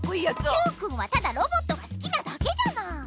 Ｑくんはただロボットが好きなだけじゃない！